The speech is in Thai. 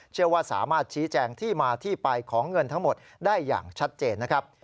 เชื่อว่าสามารถชี้แจงที่มาที่ไปของเงินทั้งหมดได้อย่างชัดเจนนะครับ